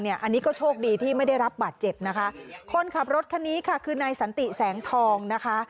อันนี้ก็โชคดีที่ไม่ได้รับบาดเจ็บนะคะคนขับรถคันนี้ค่ะคือนายสันติแสงทองนะคะ